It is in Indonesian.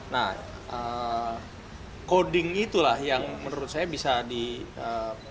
nah coding itulah yang menurut saya bisa